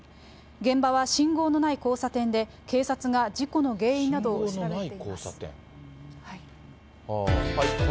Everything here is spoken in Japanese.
現場は信号のない交差点で、警察が事故の原因などを調べています。